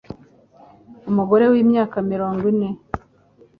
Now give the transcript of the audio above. umugore w'imyaka mirongo ine